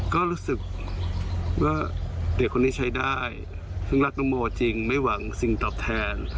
ก็รู้สึกว่าเด็กคนนี้ใช้ได้ซึ่งรักน้องโมจริงไม่หวังสิ่งตอบแทน